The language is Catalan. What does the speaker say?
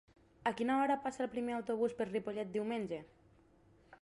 A quina hora passa el primer autobús per Ripollet diumenge?